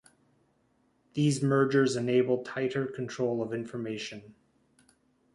These mergers enable tighter control of information.